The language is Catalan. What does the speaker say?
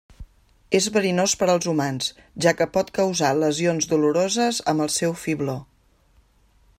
És verinós per als humans, ja que pot causar lesions doloroses amb el seu fibló.